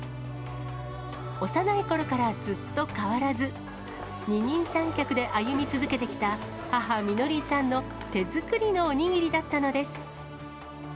幼いころからずっと変わらず、二人三脚で歩み続けてきた母、美乃りさんの手作りのお握りだったのです。